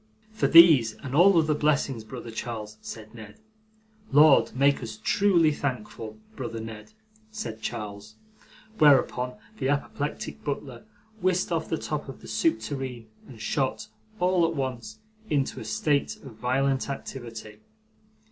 'For these and all other blessings, brother Charles,' said Ned. 'Lord, make us truly thankful, brother Ned,' said Charles. Whereupon the apoplectic butler whisked off the top of the soup tureen, and shot, all at once, into a state of violent activity.